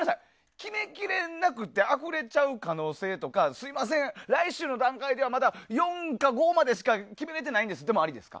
決めきれなくてあふれちゃう可能性とかすみません、来週の段階ではまだ４か５までしか決められてないんですっていうのもありですか？